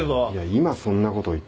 今そんなこと言ったって。